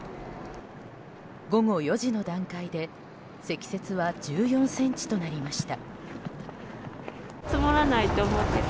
午後４時の段階で積雪は１４ｃｍとなりました。